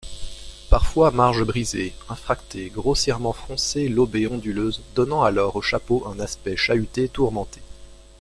Parfois marge brisée, infractée, grossièrement froncée-lobée-onduleuse donnant alors au chapeau un aspect chahuté-tourmenté.